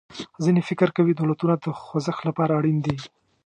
ځینې فکر کوي دولتونه د خوځښت له پاره اړین دي.